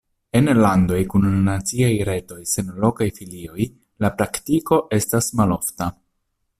En landoj kun naciaj retoj sen lokaj filioj la praktiko estas malofta.